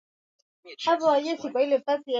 Kukabiliana na ugonjwa wa mapele ya ngozi kwa ngombe